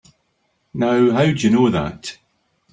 Now how'd you know that?